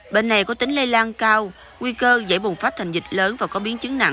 bệnh này có tính lây lan cao nguy cơ dễ bùng phát thành dịch lớn và có biến chứng nặng